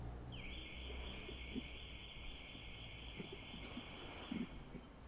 最后连惠心还是因为西替利司他是禁药被判有罪。